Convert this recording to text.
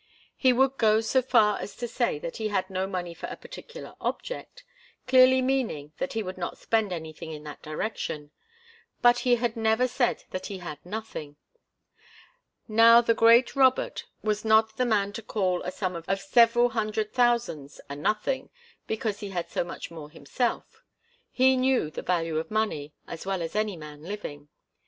He would go so far as to say that he had no money for a particular object, clearly meaning that he would not spend anything in that direction, but he had never said that he had nothing. Now the great Robert was not the man to call a sum of several hundred thousands a nothing, because he had so much more himself. He knew the value of money as well as any man living.